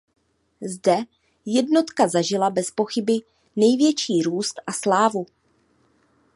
Zde jednotka zažila bezpochyby největší růst a slávu.